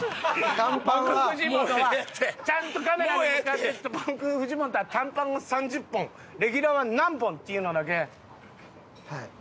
ちゃんとカメラに向かって「僕藤本は短パンを３０本」「レギュラーは何本」っていうのだけ。